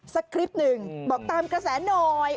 สักคลิปหนึ่งบอกตามกระแสหน่อย